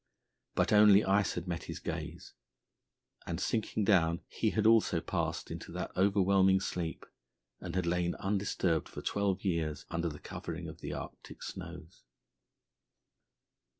But only ice had met his gaze, and, sinking down, he had also passed into that overwhelming sleep, and had lain undisturbed for twelve years under the covering of the Arctic snows.